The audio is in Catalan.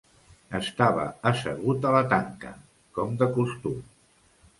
Estava assegut a la tanca, com de costum.